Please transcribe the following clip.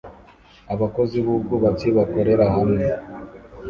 Abakozi b'ubwubatsi bakorera hamwe